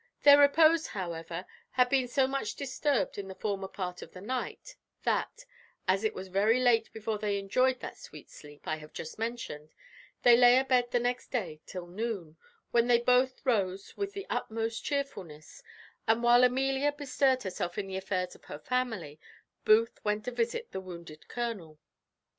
Their repose, however, had been so much disturbed in the former part of the night, that, as it was very late before they enjoyed that sweet sleep I have just mentioned, they lay abed the next day till noon, when they both rose with the utmost chearfulness; and, while Amelia bestirred herself in the affairs of her family, Booth went to visit the wounded colonel.